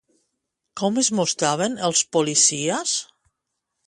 Com es mostraven els policies?